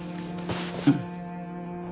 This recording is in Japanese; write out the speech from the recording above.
うん。